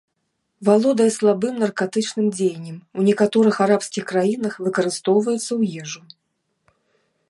Валодае слабым наркатычным дзеяннем, у некаторых арабскіх краінах выкарыстоўваюцца ў ежу.